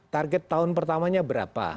target tahun pertamanya berapa